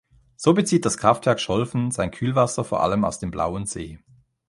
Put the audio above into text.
So bezieht das Kraftwerk Scholven sein Kühlwasser vor allem aus dem Blauen See.